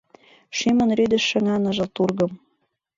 Шӱмын рӱдыш шыҥа ныжыл тургым.